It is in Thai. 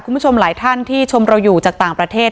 คุณผู้ชมหลายท่านที่ชมเราอยู่จากต่างประเทศ